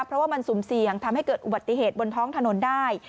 เพราะว่ามันสุ่มเสี่ยงทำให้เกิดอุบัติเหตุบนท้องถนนได้